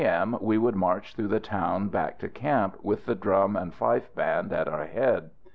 M. we would march through the town back to camp, with the drum and fife band at our head.